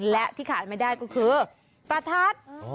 และที่ขาดไม่ได้ก็คือประทัด